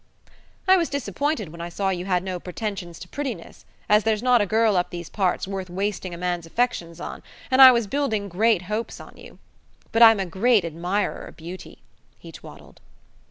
"I was disappointed when I saw you had no pretensions to prettiness, as there's not a girl up these parts worth wasting a man's affections on, and I was building great hopes on you. But I'm a great admirer of beauty," he twaddled.